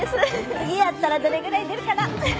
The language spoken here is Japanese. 次やったらどれぐらい出るかな。